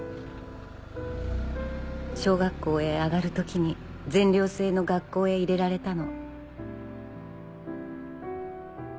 小学校へ上がる時に全寮制の学校へ入れられたの。